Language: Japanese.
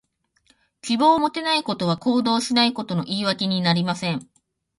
希望を持てないことは、行動しないことの言い訳にはなりません。